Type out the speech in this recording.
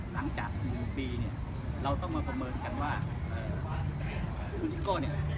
หลังจาก๑ปีเนี่ยเราต้องมาประเมินกันว่าคุณซิโก้เนี่ย